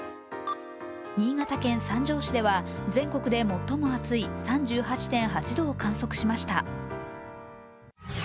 新潟県三条市では全国で最も熱い３８．８度を観測しました。